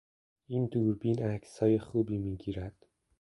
این دوربین عکسهای خوبی میگیرد.